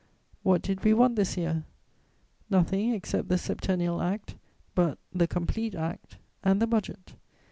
What did we want this year? Nothing except the Septennial Act (but, the complete Act) and the Budget.